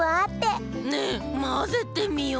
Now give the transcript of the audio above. ねえまぜてみよう！